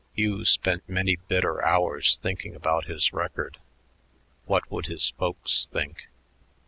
Hugh spent many bitter hours thinking about his record. What would his folks think?